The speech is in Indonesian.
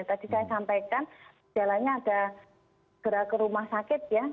tadi saya sampaikan gejalanya ada gerak ke rumah sakit ya